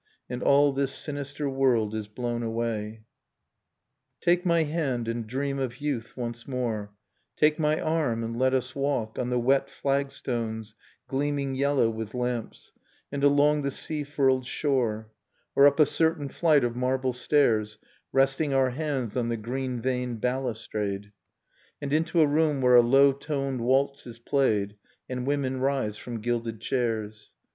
And all this sinister world is blown away. [S3] Nocturne of Remembered Spring \ Take my hand and dream of youth once more, i Take my arm, and let us walk On the wet flagstones gleaming yellow with lamps, : And along the sea furled shore; ' Or up a certain flight of marble stairs, ] Resting our hands on the green veined balustrade, And into a room where a low toned waltz is played, ! And women rise from gilded chairs.